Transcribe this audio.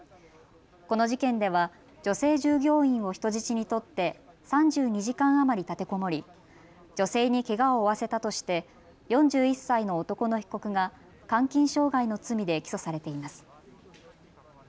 この事件では女性従業員を人質に取って３２時間余り立てこもり女性にけがを負わせたとして４１歳の男の被告が監禁傷害の罪で起訴されています。